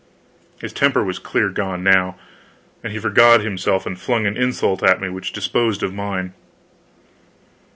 His temper was clear gone now, and he forgot himself and flung an insult at me which disposed of mine.